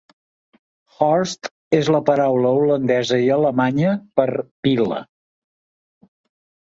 "Horst" és la paraula holandesa i alemanya per "pila".